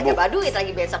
nggak dapat duit lagi besok